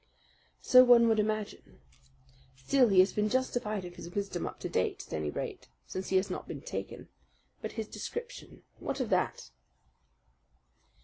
"So one would imagine. Still, he has been justified of his wisdom up to date, at any rate, since he has not been taken. But his description what of that?"